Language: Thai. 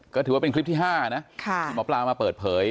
ก็ถือว่าเป็นคลิปที่ห้านะมอปลาอ้อมมาเปิดเผย